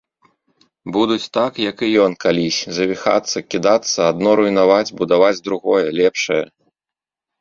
Будуць так, як і ён калісь, завіхацца, кідацца, адно руйнаваць, будаваць другое, лепшае.